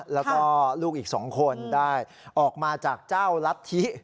แล้วก็ลูกอีก๒คนได้ออกมาจากเจ้ารัฐธิ